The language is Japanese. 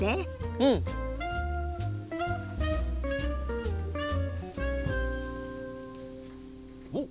うん！おっ！